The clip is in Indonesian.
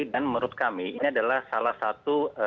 dan menurut kami ini adalah salah satu